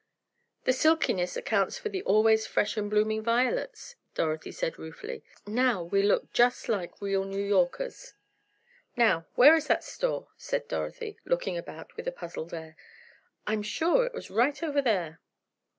"The silkiness accounts for the always fresh and blooming violets," Dorothy said ruefully. "Now, we look just like real New Yorkers." "Now where is that store?" said Dorothy, looking about with a puzzled air. "I'm sure it was right over there."